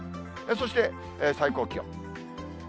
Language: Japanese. そして最高気温。